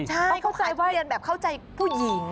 ใช่เขาเข้าใจทุเรียนแบบเข้าใจผู้หญิงอ่ะ